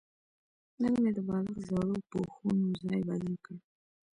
نن مې د بالښت زړو پوښونو ځای بدل کړ.